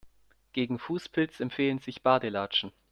Gegen Fußpilz empfehlen sich Badelatschen.